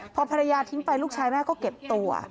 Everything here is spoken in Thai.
พอภรรยาทิ้งไปลูกชายแม่ก็เก็บตัว